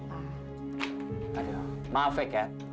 aduh maaf ya kat